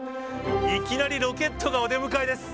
いきなりロケットがお出迎えです。